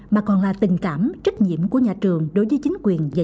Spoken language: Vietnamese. mà còn là tình cảm trách nhiệm của nhà trường đối với chính quyền